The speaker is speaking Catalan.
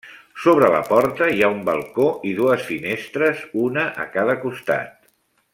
Sobre la porta hi ha un balcó i dues finestres, una a cada costat.